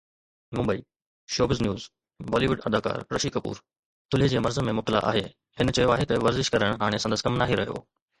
Mumbai (showbiz news) Bollywood اداڪار رشي ڪپور ٿلهي جي مرض ۾ مبتلا آهي، هن چيو آهي ته ورزش ڪرڻ هاڻي سندس ڪم ناهي رهيو.